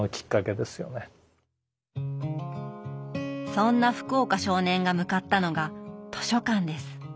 そんな福岡少年が向かったのが図書館です。